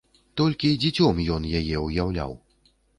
Толькі дзіцём ён яе ўяўляў.